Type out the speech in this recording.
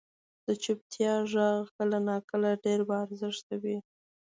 • د چپتیا ږغ کله ناکله ډېر با ارزښته وي.